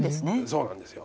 そうなんです。